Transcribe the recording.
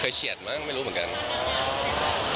เคยเฉียดมั้งไม่รู้เหมือนกัน